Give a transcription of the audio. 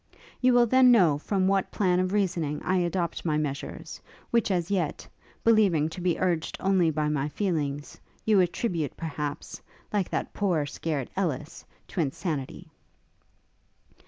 You will then know from what plan of reasoning I adopt my measures; which as yet, believing to be urged only by my feelings, you attribute, perhaps, like that poor scared Ellis, to insanity.'